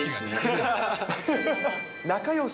仲よし。